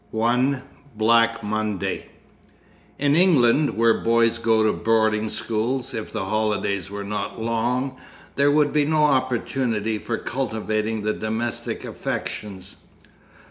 1. Black Monday "In England, where boys go to boarding schools, if the holidays were not long there would be no opportunity for cultivating the domestic affections."